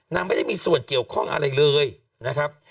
ไม่ได้มีส่วนเกี่ยวข้องอะไรเลยนะครับ